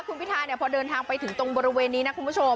คุณพิธาเนี่ยพอเดินทางไปถึงตรงบริเวณนี้นะคุณผู้ชม